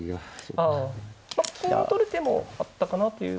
まあ金を取る手もあったかなという。